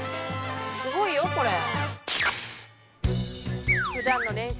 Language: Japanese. すごいよこれ。